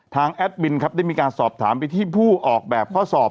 แอดมินครับได้มีการสอบถามไปที่ผู้ออกแบบข้อสอบ